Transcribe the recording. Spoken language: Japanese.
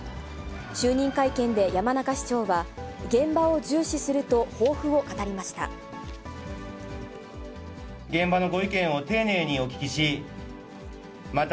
就任会見で山中市長は、現場を重視すると抱負を語りました。